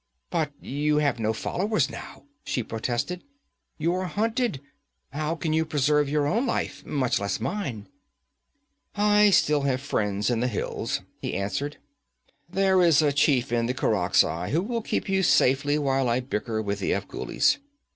'But you have no followers now!' she protested. 'You are hunted! How can you preserve your own life, much less mine?' 'I still have friends in the hills,' he answered. 'There is a chief of the Khurakzai who will keep you safely while I bicker with the Afghulis.